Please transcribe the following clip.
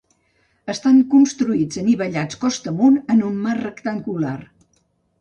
Estan construïts anivellats costa amunt en un marc rectangular.